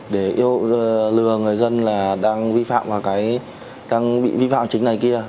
để lừa người dân là đang bị vi phạm chính này kia